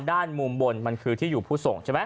ด้านมุมบนมันคือที่อยู่ผู้ส่งใช่ไหม